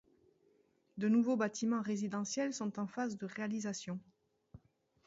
De nouveaux bâtiments résidentiels sont en phase de réalisation.